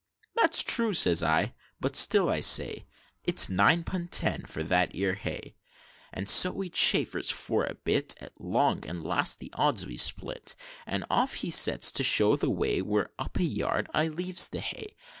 'That's true,' says I, 'but still I say, It's nine pun' ten for that 'ere hay,' And so we chaffers for a bit, At long and last the odds we split; And off he sets to show the way, Where up a yard I leaves the hay.